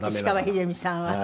石川秀美さんは？